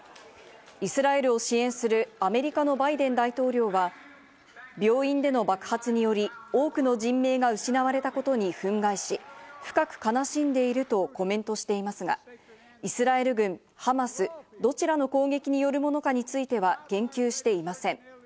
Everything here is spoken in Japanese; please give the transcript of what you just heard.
イスラエルを支援するアメリカのバイデン大統領は、病院での爆発により多くの人命が失われたことに憤慨し、深く悲しんでいるとコメントしていますが、イスラエル軍、ハマスどちらの攻撃によるものかについては言及していません。